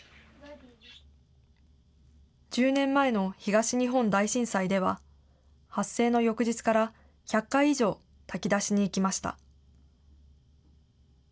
１０年前の東日本大震災では、発生の翌日から、１００回以上炊き出しに行きました。